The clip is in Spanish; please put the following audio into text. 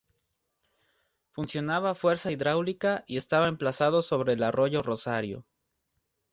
Funcionaba a fuerza hidráulica y estaba emplazado sobre el arroyo Rosario.